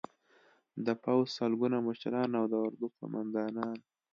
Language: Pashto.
د پوځ سلګونه مشران او د اردو قومندانان